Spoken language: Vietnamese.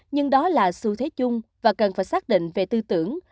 nhưng đó là xu thế chung và cần phải xác định về tư tưởng